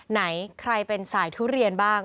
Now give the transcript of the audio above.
ไหนใครเป็นสายทุเรียนบ้าง